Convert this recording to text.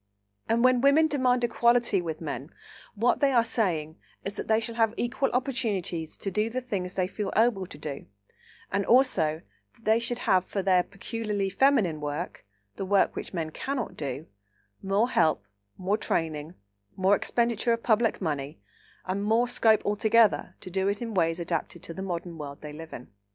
And, when women demand "equality" with men, what they are asking is, that they shall have equal opportunities to do the things they feel able to do, and also that they should have for their peculiarly feminine work—the work which men cannot do—more help, more training, more expenditure of public money, and more scope altogether to do it in ways adapted to the modern world they live in.